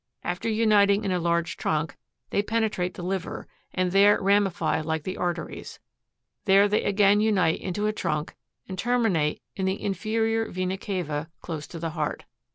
After uniting in a large trunk, they penetrate the liver, and there ramify like the arteries ; there they again unite into a trunk and terminate in the inferior vena cava close to the heart.